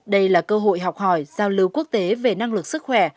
đây là cơ hội học hỏi giao lưu quốc tế về năng lực sức khỏe